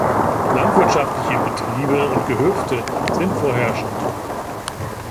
Landwirtschaftliche Betriebe und Gehöfte sind vorherrschend.